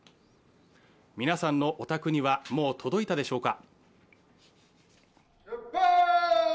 皆さんのお宅にはもう届いたでしょうか？